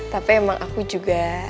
tapi emang aku juga